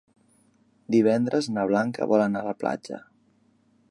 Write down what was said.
Divendres na Blanca vol anar a la platja.